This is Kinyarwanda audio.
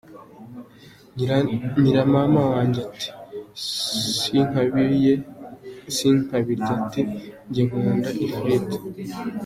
Nyiramama wanjye ati sinkabirye, ati " Njye nkunda ifiriti".